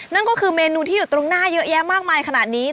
นั่นก็คือเมนูที่อยู่ตรงหน้าเยอะแยะมากมายขนาดนี้